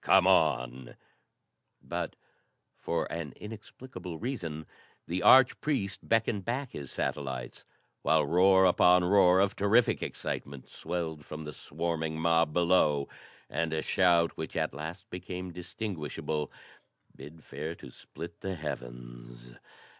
"Come on " But, for an inexplicable reason, the arch priest beckoned back his satellites, while roar upon roar of terrific excitement swelled from the swarming mob below, and a shout which at last became distinguishable bid fair to split the heavens.